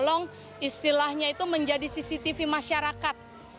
tolong istilahnya itu menjadi cctv masyarakat